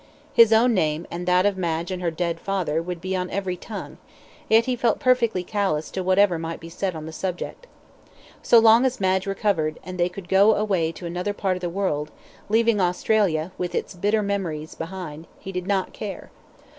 His own name, and that of Madge and her dead father, would be on every tongue, yet he felt perfectly callous to whatever might be said on the subject. So long as Madge recovered, and they could go away to another part of the world, leaving Australia, with its bitter memories behind he did not care.